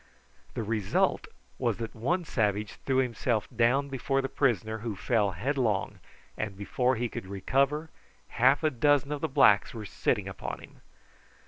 The result was that one savage threw himself down before the prisoner, who fell headlong, and before he could recover, half a dozen of the blacks were sitting upon him.